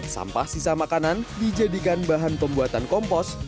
sampah sisa makanan dijadikan bahan pembuatan kompos